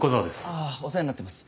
あっお世話になってます。